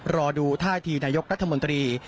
รอดูท่าทีนายกรัฐมนตรี